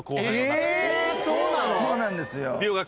そうなんですよ。